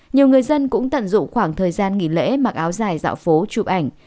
nhiều người dân cũng tận dụng khoảng thời gian nghỉ lễ mặc áo dài dạo phố chụp ảnh